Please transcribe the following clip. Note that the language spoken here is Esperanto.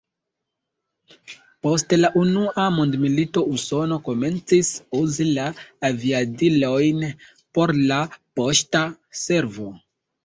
Post la Unua mondmilito Usono komencis uzi la aviadilojn por la poŝta servo.